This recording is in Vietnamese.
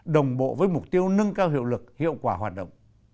đồng bộ với mục tiêu nâng cao hiệu lực hiệu quả hoạt động